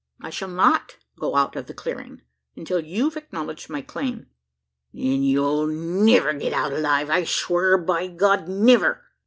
"I shall not go out of the clearing, until you've acknowledged my claim." "Then you'll niver go out o' it alive I swar by God! niver!"